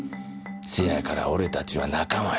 せやから俺たちは仲間や。